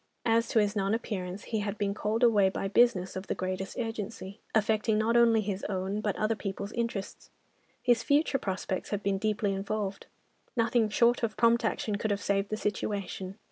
As to his non appearance, he had been called away by business of the greatest urgency, affecting not only his own but other people's interests. His future prospects had been deeply involved. Nothing short of prompt action could have saved the situation.